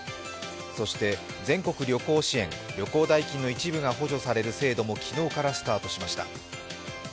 全国旅行支援、旅行代金の一部が補助される制度も昨日からスタートしました。